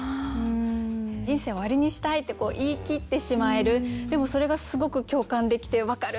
「人生を終わりにしたい」って言い切ってしまえるでもそれがすごく共感できてわかる！って思いましたね。